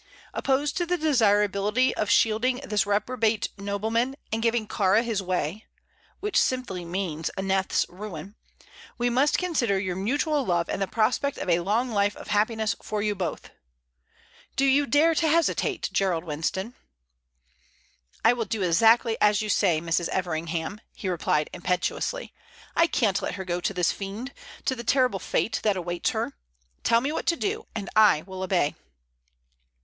Opposed to the desirability of shielding this reprobate nobleman and giving Kāra his way which simply means Aneth's ruin we must consider your mutual love and the prospect of a long life of happiness for you both. Do you dare to hesitate, Gerald Winston?" "I will do exactly as you say, Mrs. Everingham," he replied, impetuously. "I can't let her go to this fiend to the terrible fate that awaits her. Tell me what to do, and I will obey!"